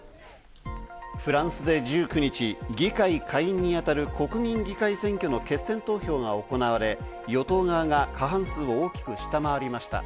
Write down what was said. フランスで１９日、議会下院に当たる国民議会選挙の決選投票が行われ、与党側が過半数を大きく下回りました。